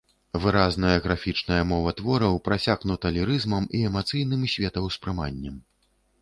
Выразная графічная мова твораў прасякнута лірызмам і эмацыянальным светаўспрыманнем.